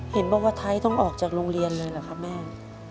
เห็นบอกว่าไทยต้องออกจากโรงเรียนเลยเหรอครับแม่